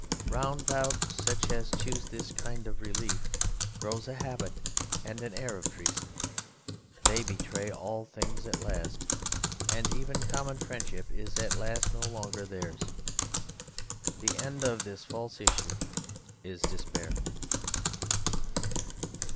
Round about such as choose this kind of relief grows a habit and an air of treason. They betray all things at last, and even common friendship is at last no longer theirs. The end of this false issue is despair.